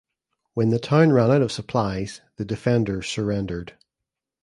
When the town ran out of supplies the defenders surrendered.